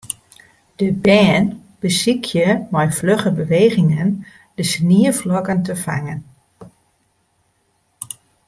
De bern besykje mei flugge bewegingen de snieflokken te fangen.